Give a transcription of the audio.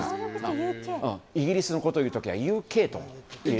イギリスのことをいう時はＵＫといえば。